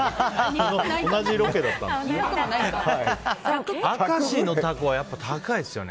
同じロケだったんですね。